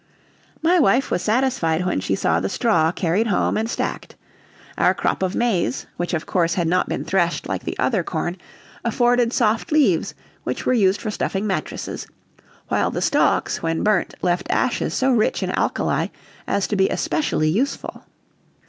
My wife was satisfied when she saw the straw carried home and stacked; our crop of maize, which of course had not been threshed like the other corn, afforded soft leaves which were used for stuffing mattresses, while the stalks, when burnt, left ashes so rich in alkali as to be especially useful.